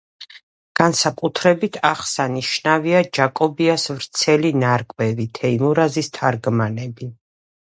განსაკუთრებით აღსანიშნავია ჯაკობიას ვრცელი ნარკვევი „თეიმურაზის თარგმანები“.